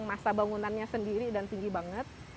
masa bangunannya sendiri dan tinggi banget